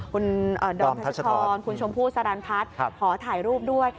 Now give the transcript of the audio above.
คุณดอมทัชรคุณชมพู่สรรพัฒน์ขอถ่ายรูปด้วย